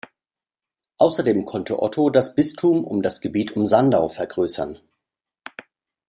Außerdem konnte Otto das Bistum um das Gebiet um Sandau vergrößern.